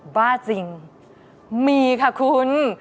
บ้าจริงมีค่ะคุณ